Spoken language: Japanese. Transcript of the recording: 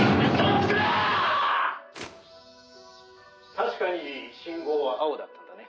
確かに信号は青だったんだね？